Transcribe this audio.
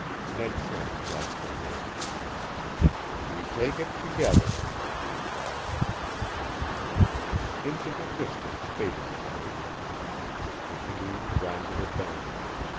Ned Trent clasped her hand. "We take it together," he replied. Into the distance faded the Post. The canoe rounded a bend.